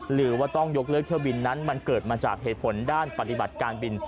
หรือว่าต้องยกเลิกเที่ยวบินนั้นมันเกิดมาจากเหตุผลด้านปฏิบัติการบิน